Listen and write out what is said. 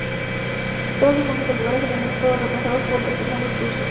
Todos los nombres de lugares alemanes fueron reemplazados por nuevos nombres rusos.